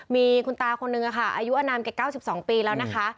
มีคุณตาคนนึงค่ะอายุอนามแก่๙๒ปีแล้วนะคะ